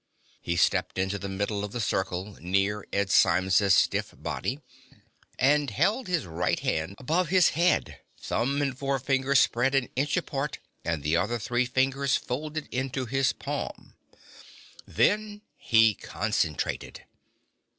He stepped into the middle of the circle, near Ed Symes's stiff body and held his right hand above his head, thumb and forefinger spread an inch apart and the other three fingers folded into his palm. Then he concentrated.